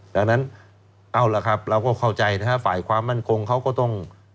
ดังนั้นเอาล่ะครับเราก็เข้าใจนะฮะฝ่ายความมั่นคงเขาก็ต้อง